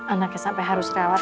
anaknya sampai harus rawat